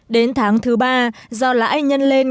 đến tháng thứ ba do lãi nhân lên